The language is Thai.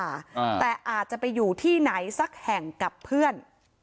อ่าแต่อาจจะไปอยู่ที่ไหนสักแห่งกับเพื่อน